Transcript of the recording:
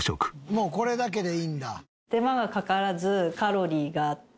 もうこれだけでいいんだ。